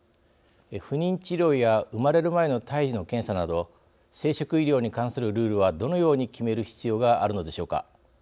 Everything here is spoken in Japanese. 不妊治療や生まれる前の胎児の検査など生殖医療に関するルールはどのように決める必要があるのでしょうか。